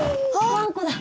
わんこだ。